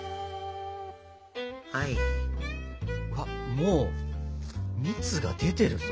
もう蜜が出てるぞ！